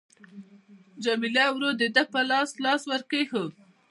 جميله ورو د دې پر لاس لاس ورکښېښود.